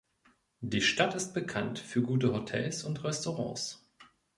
Die Stadt ist bekannt für gute Hotels und Restaurants.